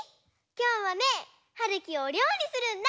きょうはねはるきおりょうりするんだ！